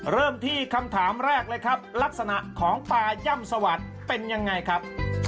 เริ่มที่คำถามแรกเลยครับลักษณะของปลาย่ำสวัสดิ์เป็นยังไงครับ